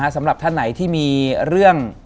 สำหรับท่านไหนที่มีเรื่อง